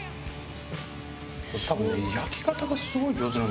多分焼き方がすごい上手なんだよ